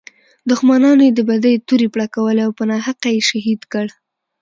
دښمنانو یې د بدۍ تورې پړکولې او په ناحقه یې شهید کړ.